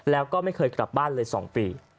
แล้วก็ไม่เคยกลับบ้านเลย๒ปี